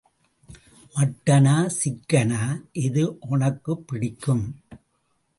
மட்டனா, சிக்கனா, எது ஒனக்குப் பிடிக்கும்?